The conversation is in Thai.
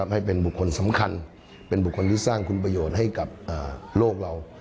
ให้เป็นบุคคลสำคัญเป็นบุคคลที่สร้างคุณประโยชน์ให้กับโลกเรา